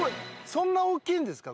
そんな大きいんですか？